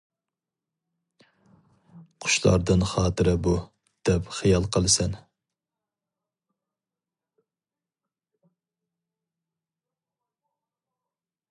«قۇشلاردىن خاتىرە بۇ» دەپ خىيال قىلىسەن.